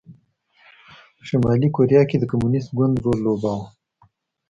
په شلي کوریا کې د کمونېست ګوند رول لوباوه.